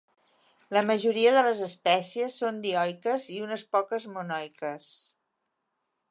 La majoria de les espècies són dioiques i unes poques monoiques.